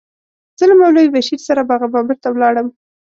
زه له مولوي بشیر سره باغ بابر ته ولاړم.